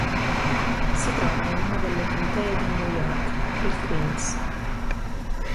Si trova in una delle contee di New York, il Queens.